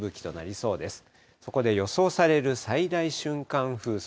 そこで予想される最大瞬間風速。